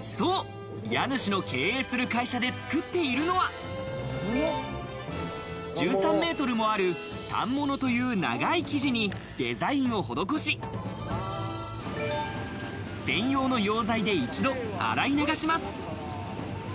そう、家主の経営する会社で作っているのは、１３メートルもある反物という長い生地にデザインを施し、専用の溶剤で一度洗い流します。